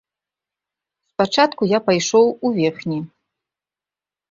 Спачатку я пайшоў у верхні.